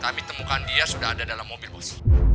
kami temukan dia sudah ada dalam mobil bus